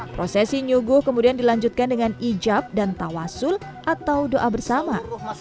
prosesi nyuguh kemudian dilanjutkan dengan ijab dan tawasul atau doa bersama